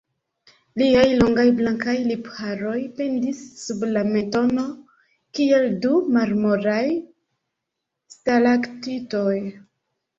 Liaj longaj blankaj lipharoj pendis sub la mentono kiel du marmoraj stalaktitoj.